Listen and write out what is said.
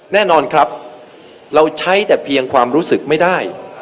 แน่นอนครับเราใช้แต่เพียงความรู้สึกไม่ได้